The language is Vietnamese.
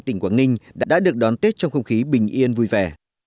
tỉnh quảng ninh đã được đón tết trong không khí bình yên vui vẻ